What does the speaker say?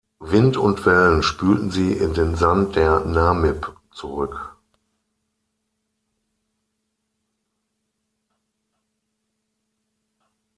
Wind und Wellen spülten sie in den Sand der Namib zurück.